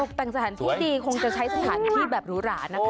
แต่งสถานที่ดีคงจะใช้สถานที่แบบหรูหรานะคะ